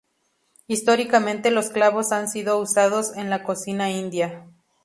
Históricamente los clavos han sido usados en la cocina india.